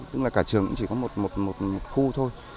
tức là cả trường chỉ có một khu thôi